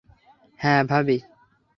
হ্যাঁ, ভাবি?